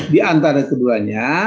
di antara keduanya